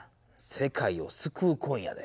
世界を救うコインやで。